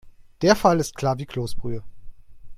Der Fall ist klar wie Kloßbrühe.